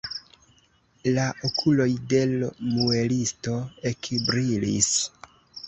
La okuloj de l' muelisto ekbrilis.